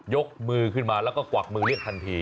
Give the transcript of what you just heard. ยกมือขึ้นมาแล้วก็กวักมือเรียกทันที